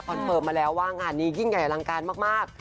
เฟิร์มมาแล้วว่างานนี้ยิ่งใหญ่อลังการมาก